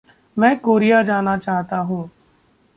मैं कोरिया जाना चाहता हूँ।